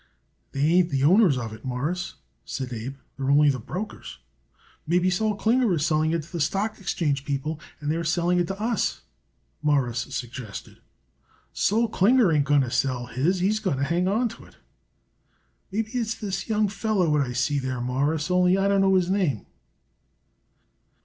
"They ain't the owners of it, Mawruss," said Abe. "They're only the brokers." "Maybe Sol Klinger is selling it to the stock exchange people and they're selling it to us," Morris suggested. "Sol Klinger ain't going to sell his. He's going to hang on to it. Maybe it's this young feller what I see there, Mawruss, only I don't know his name."